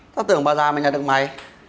tao tưởng bà già mày nhận được mày